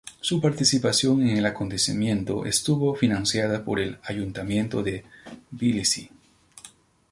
Su participación en el acontecimiento estuvo financiada por el Ayuntamiento de Tbilisi.